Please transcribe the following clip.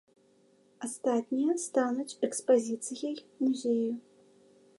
Астатнія стануць экспазіцыяй музею.